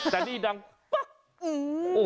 แต่นี่ดังปึ๊ก